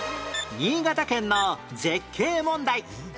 新潟県の絶景問題